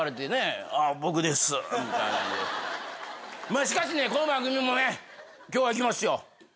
まあしかしねこの番組もね今日はいきますよ。